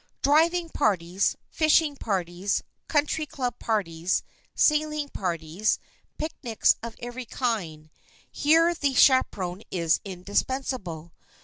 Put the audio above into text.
Driving parties, fishing parties, country club parties, sailing parties, picnics of every kind,—here the chaperon is indispensable.